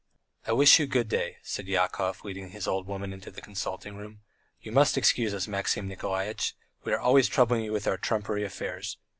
"I wish you good day," said Yakov, leading his old woman into the consulting room. "You must excuse us, Maxim Nikolaitch, we are always troubling you with our trumpery affairs.